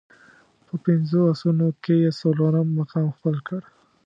په پنځو اسونو کې یې څلورم مقام خپل کړ.